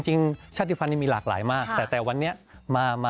ชาติภัณฑ์นี้มีหลากหลายมากแต่แต่วันนี้มา